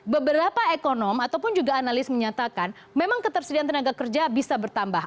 beberapa ekonom ataupun juga analis menyatakan memang ketersediaan tenaga kerja bisa bertambah